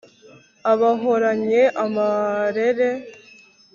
abahoranye amarere